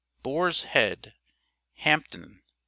_Boar's Head, Hampton, N.